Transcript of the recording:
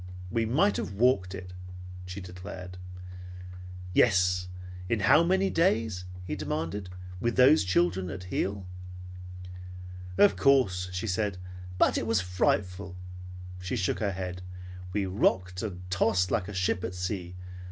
"We might have walked it," she declared. "Yes. In how many days," he demanded, "with those children at heel?" "Of course," she said, "but it was frightful." She shook her head. "We rocked and tossed like a ship at sea.